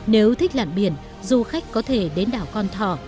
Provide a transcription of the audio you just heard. nếu thích lặn biển du khách có thể đến đảo con thỏ